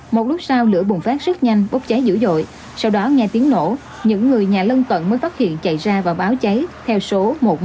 một lúc sau lửa bùng phát rất nhanh bốc cháy dữ dội sau đó nghe tiếng nổ những người nhà lân cận mới phát hiện chạy ra và báo cháy theo số một trăm một mươi một